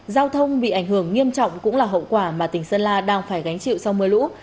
giao thông bị ảnh hưởng nghiêm trọng cũng là hậu quả mà tỉnh sơn la đang phải gánh chịu sau mưa lũ